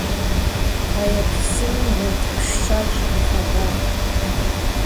Фэеплъ сыным метр щэщӏ и лъагагът.